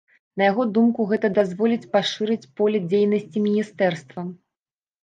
На яго думку, гэта дазволіць пашырыць поле дзейнасці міністэрства.